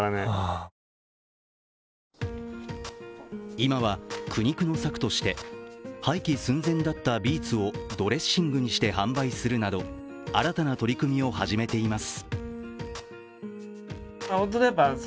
今は、苦肉の策として廃棄寸前だったビーツをドレッシングにして販売するなど、新たな取り組みを始めています。